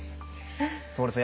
そうですね